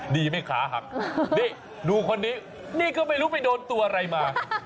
ดีไหมขาหักนี่ดูคนนี้นี่ก็ไม่รู้ไปโดนตัวอะไรมา